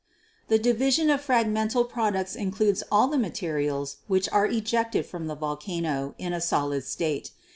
The division of fragmental products includes all the materials which are ejected from the volcano in a solid state.